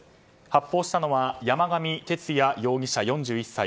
発砲したのは山上徹也容疑者、４１歳。